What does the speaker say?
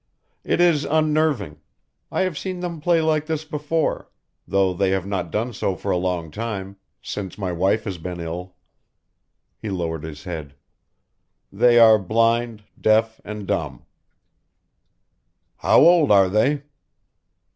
"It is unnerving. I have seen them play like this before though they have not done so for a long time since my wife has been ill." He lowered his head. "They are blind, deaf, and dumb." "How old are they?"